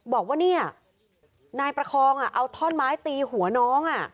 บอกว่าเนี่ยนายประคองเอาท่อนไม้ตีหัวน้อง